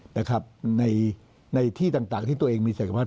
แต่ครับในที่ต่างที่ตัวเองมีสักภาพ